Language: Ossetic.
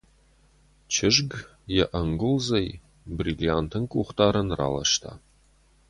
Чызг йӕ ӕнгуылдзӕй бриллиантын къухдарӕн раласта.